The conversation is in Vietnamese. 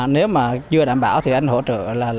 nếu mà chưa đảm bảo thì anh hỗ trợ là